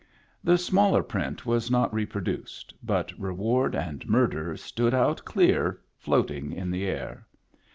The smaller print was not reproduced, but Reward and Murder stood out clear, floating in the air.